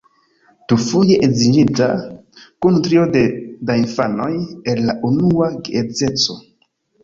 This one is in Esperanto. Dufoje edziĝinta, kun trio da infanoj el la unua geedzeco.